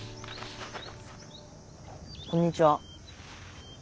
こんにちは。